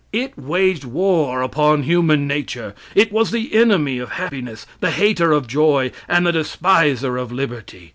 It waged war upon human nature. It was the enemy of happiness, the hater of joy, and the despiser of liberty.